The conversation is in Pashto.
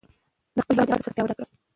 د خپل هېواد اقتصاد پیاوړی کړئ.